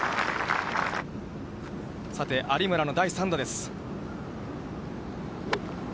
さて、有村の第３打です。